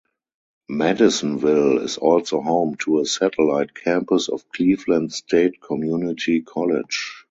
Madisonville is also home to a satellite campus of Cleveland State Community College.